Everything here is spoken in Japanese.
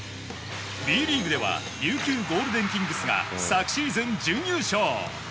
Ｂリーグでは琉球ゴールデンキングスが昨シーズン準優勝。